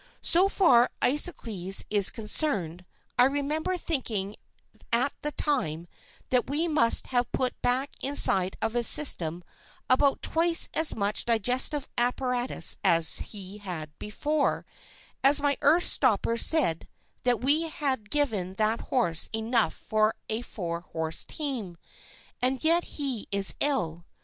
So far as Isosceles is concerned, I remember thinking at the time that we must have put back inside of his system about twice as much digestive apparatus as he had before, as my earth stopper said that we had given that horse enough for a four horse team, and yet he is ill.